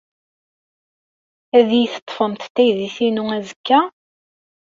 Ad iyi-teṭṭfemt taydit-inu azekka?